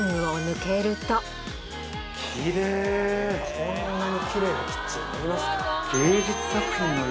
こんなにキレイなキッチンあります？